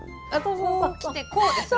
こうきてこうですね。